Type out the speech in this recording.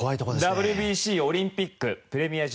ＷＢＣオリンピックプレミア１２